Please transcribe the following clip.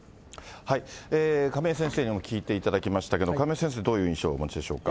亀井先生にも聞いていただきましたけど、亀井先生、どういう印象をお持ちでしょうか。